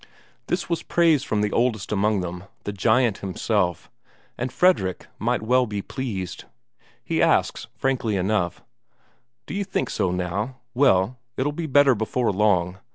This was praise from the oldest among them, the giant himself, and Fredrik might well be pleased. He asks frankly enough: "Did you think so, now? Well, it'll be better before long.